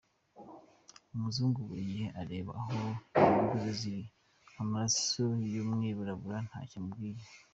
Umuzungu buri gihe areba aho inyungu ze ziri , amaraso yumwirabura ntacyo amubwiye.